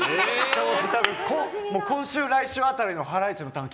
多分、今週、来週辺りの「ハライチのターン！」